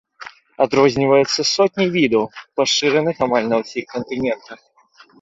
Адрозніваюцца сотні відаў, пашыраных амаль на ўсіх кантынентах.